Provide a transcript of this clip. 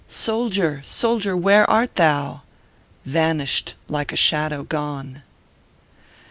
Soldier, soldier, where art thou? Vanished like a shadow gone